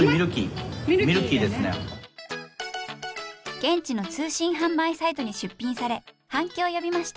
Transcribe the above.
現地の通信販売サイトに出品され反響を呼びました。